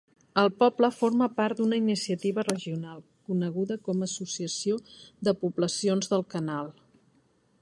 El poble forma part d'una iniciativa regional coneguda com a Associació de Poblacions del Canal.